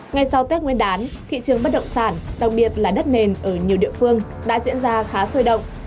ngay sau tết nguyên đán thị trường bất động sản đặc biệt là đất nền ở nhiều địa phương đã diễn ra khá sôi động